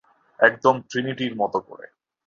একদম ট্রিনিটির মতো করে।